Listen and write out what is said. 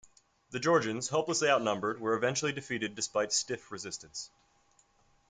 The Georgians, hopelessly outnumbered, were eventually defeated despite stiff resistance.